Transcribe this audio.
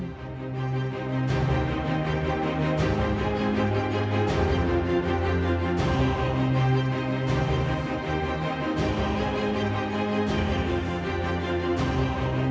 จริงมคบ๊าท